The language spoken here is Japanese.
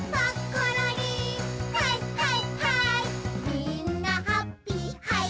「みんなハッピーハイ！